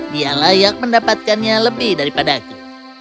dia layak mendapatkannya lebih daripada aku